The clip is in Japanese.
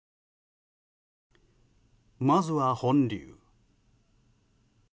まずは、本流。